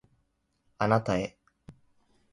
あなたへ